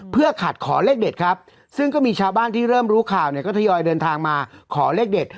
เพื่อขัดขอเลขเด็ดครับซึ่งก็มีชาวบ้านที่เริ่มรู้ข่าวเนี่ยก็ทยอยเดินทางมาขอเลขเด็ด